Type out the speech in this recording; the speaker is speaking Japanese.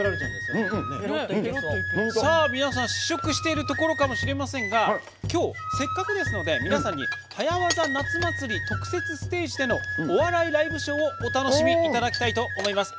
皆さん試食しているところかもしれませんがきょう、せっかくですので皆さんに「早わざ夏祭り」特設ステージのお笑いライブショーをお楽しみいただきたいと思います。